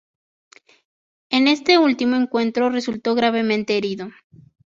En este último encuentro resultó gravemente herido.